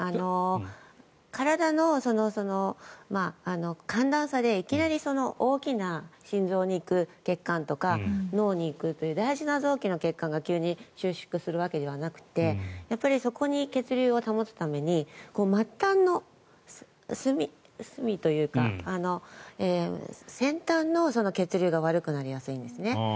体の寒暖差でいきなり大きな心臓に行く血管とか脳に行くという大事な臓器の血管が急に収縮するわけではなくてそこに血流を保つために末端の隅というか先端の血流が悪くなりやすいんですね。